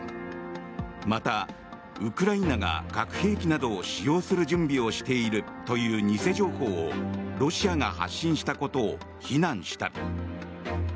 また、ウクライナが核兵器などを使用する準備をしているという偽情報をロシアが発信したことを非難した。